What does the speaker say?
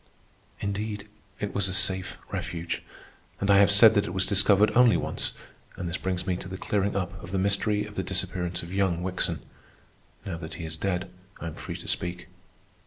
Indeed, it was a safe refuge. I have said that it was discovered only once, and this brings me to the clearing up of the mystery of the disappearance of young Wickson. Now that he is dead, I am free to speak.